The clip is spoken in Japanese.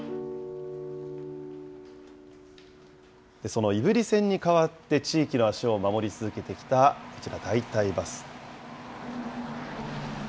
その胆振線に代わって地域の足を守り続けてきた、こちら代替バス。